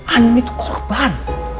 andin itu korban